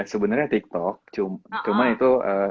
sebenarnya tiktok cuma itu